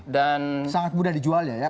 dan sangat mudah dijual ya